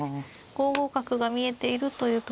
５五角が見えているというところでしたが。